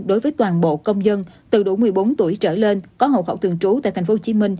đối với toàn bộ công dân từ đủ một mươi bốn tuổi trở lên có hậu khẩu thường trú tại tp hcm